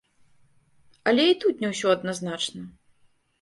Але і тут не ўсё адназначна.